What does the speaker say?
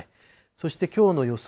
そしてきょうの予想